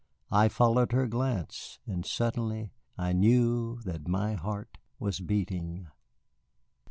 I followed her glance, and suddenly I knew that my heart was beating.